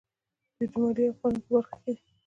دوی د مالیې او قانون په برخه کې دي.